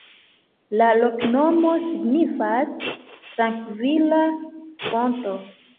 La loknomo signifas: "trankvila fonto".